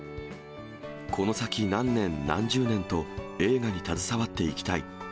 この先何年、何十年と、映画に携わっていきたい。